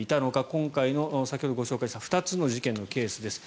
今回の、先ほどご紹介した２つの事件のケースです。